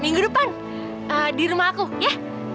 minggu depan di rumah aku ya